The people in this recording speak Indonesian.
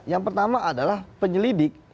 yang pertama adalah penyelidik